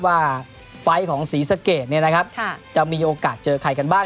ไฟล์ของศรีสะเกดเนี่ยนะครับจะมีโอกาสเจอใครกันบ้าง